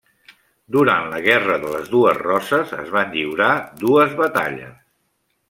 Durant la guerra de les dues roses es van lliurar dues batalles.